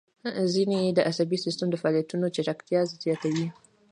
ځینې یې د عصبي سیستم د فعالیتونو چټکتیا زیاتوي.